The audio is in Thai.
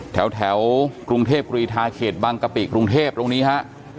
แถวกรุงเทพกรีธาเขตบังกะปิกรุงเทพตรงนี้ฮะ